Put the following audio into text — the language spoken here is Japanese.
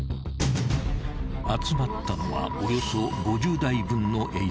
［集まったのはおよそ５０台分の映像］